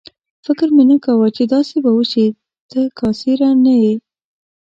فکر مې نه کاوه چې داسې به وشي، ته کاسېره نه یې.